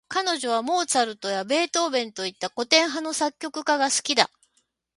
彼女はモーツァルトやベートーヴェンといった、古典派の作曲家が好きだ。